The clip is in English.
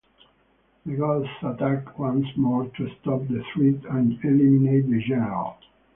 The Ghosts attack once more to stop the threat and eliminate the general.